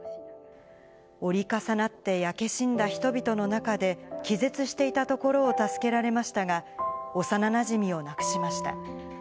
折り重なって焼け死んだ人々の中で、気絶していたところを助けられましたが、幼なじみを亡くしました。